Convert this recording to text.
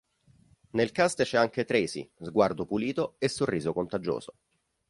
Nel cast c'è anche Tracy, sguardo pulito e sorriso contagioso.